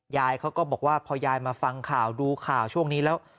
ยายเขาก็บอกว่าพอยายมาฟังข่าวดูข่าวช่วงนี้แล้ว